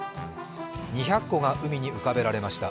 ２００個が海に浮かべられました。